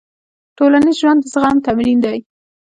ټولنیز ژوند د زغم تمرین دی.